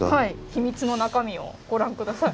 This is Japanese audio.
秘密の中身をご覧下さい。